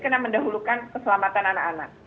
karena mendahulukan keselamatan anak anak